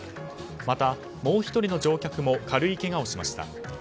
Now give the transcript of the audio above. また、もう１人の乗客も軽いけがをしました。